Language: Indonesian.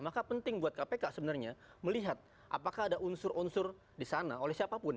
maka penting buat kpk sebenarnya melihat apakah ada unsur unsur di sana oleh siapapun